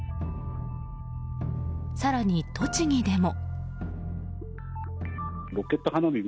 更に、栃木でも。